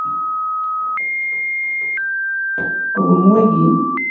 Qwem waki.